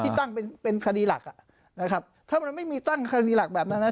ตั้งเป็นเป็นคดีหลักอ่ะนะครับถ้ามันไม่มีตั้งคดีหลักแบบนั้นนะ